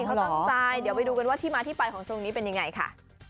เขาตั้งใจเดี๋ยวไปดูกันว่าที่มาที่ไปของตรงนี้เป็นยังไงค่ะ